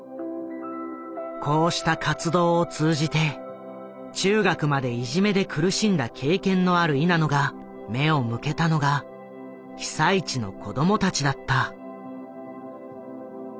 こうした活動を通じて中学までいじめで苦しんだ経験のあるいなのが目を向けたのが被災地の子どもたちだった。